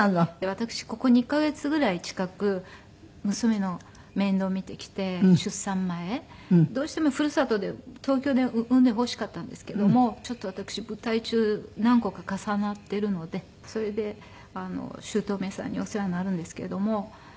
私ここ２カ月ぐらい近く娘の面倒見てきて出産前どうしてもふるさとで東京で産んでほしかったんですけどもちょっと私舞台中何個か重なっているのでそれで姑さんにお世話になるんですけれども。